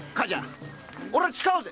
俺は誓うぜ！